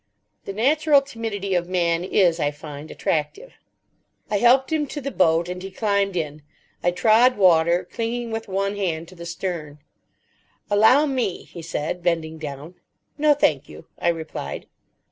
The natural timidity of man is, I find, attractive. I helped him to the boat, and he climbed in. I trod water, clinging with one hand to the stern. "Allow me," he said, bending down. "No, thank you," I replied.